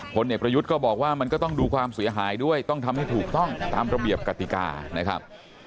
เอกประยุทธ์ก็บอกว่ามันก็ต้องดูความเสียหายด้วยต้องทำให้ถูกต้องตามระเบียบกติกานะครับ